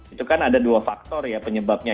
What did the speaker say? itu kan ada dua faktor ya penyebabnya